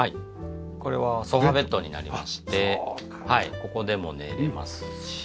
これはソファベッドになりましてここでも寝れますし。